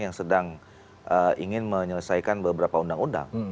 yang sedang ingin menyelesaikan beberapa undang undang